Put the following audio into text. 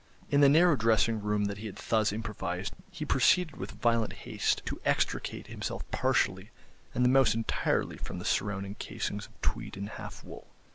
In the narrow dressing room that he had thus improvised he proceeded with violent haste to extricate himself partially and the mouse entirely from the surrounding casings of tweed and half wool.